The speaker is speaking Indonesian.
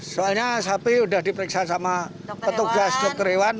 soalnya sapi sudah diperiksa sama petugas dokter hewan